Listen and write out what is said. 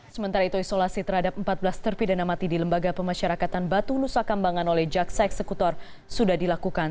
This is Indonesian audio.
sementara itu isolasi terhadap empat belas terpidana mati di lembaga pemasyarakatan batu nusa kambangan oleh jaksa eksekutor sudah dilakukan